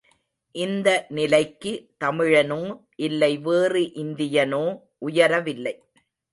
இந்த நிலைக்கு தமிழனோ இல்லை வேறு இந்தியனோ உயரவில்லை.